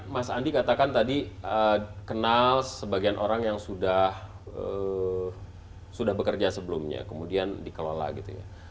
mas andi katakan tadi kenal sebagian orang yang sudah bekerja sebelumnya kemudian dikelola gitu ya